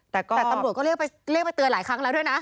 แต่ตำรวจก็เรียกไปเตือนหลายครั้งแล้วด้วยนะ